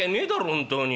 本当に。